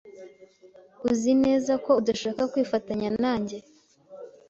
Uzi neza ko udashaka kwifatanya nanjye?